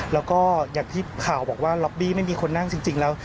แล้วก็อย่างที่ข่าวบอกว่าล็อบบี้ไม่มีคนนั่งจริงแล้ว